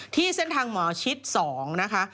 ที่เส้นทางหมอชิด๒นะคะ